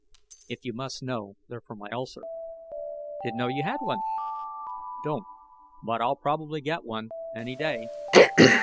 "If you must know, they're for my ulcer." "Didn't know you had one." "Don't, but I'll probably get one, any day."